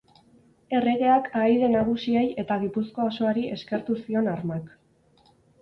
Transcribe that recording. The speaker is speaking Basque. Erregeak ahaide nagusiei eta Gipuzkoa osoari eskertu zion armak.